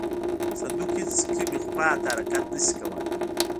صندوق هیڅ کومې خواته حرکت نه شي کولی.